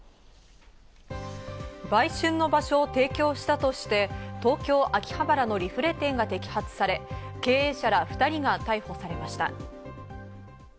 売春の場所を提供したとして、東京・秋葉原のリフレ店が摘発され経営者ら２人が逮捕されました。